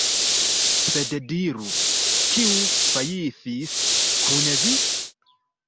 Sed diru, kiu fajfis kun vi?